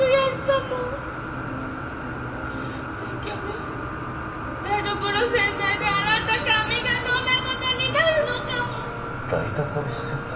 せっけんで台所洗剤で洗った髪がどんなことになるのかも！台所洗剤！？